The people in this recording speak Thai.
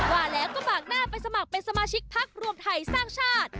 ว่าแล้วก็ปากหน้าไปสมัครเป็นสมาชิกพักรวมไทยสร้างชาติ